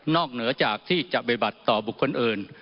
เหนือจากที่จะไปบัติต่อบุคคลอื่น